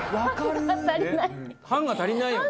ハンガー足りないよね？